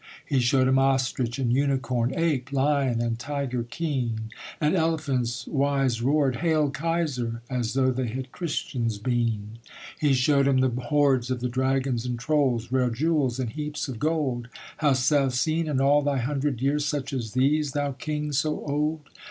He showed him ostrich and unicorn, Ape, lion, and tiger keen; And elephants wise roared 'Hail Kaiser!' As though they had Christians been. He showed him the hoards of the dragons and trolls, Rare jewels and heaps of gold 'Hast thou seen, in all thy hundred years, Such as these, thou king so old?'